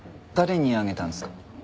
誰にあげたんですか？